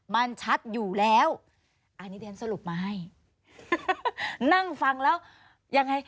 มันชัดอยู่แล้วอันนี้เดี๋ยวฉันสรุปมาให้นั่งฟังแล้วยังไง